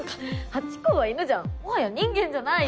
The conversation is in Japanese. ハチ公は犬じゃんもはや人間じゃないじゃん。